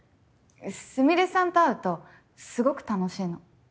スミレさんと会うとすごく楽しいの。